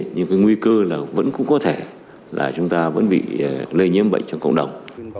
nhưng cái nguy cơ là vẫn cũng có thể là chúng ta vẫn bị lây nhiễm bệnh trong cộng đồng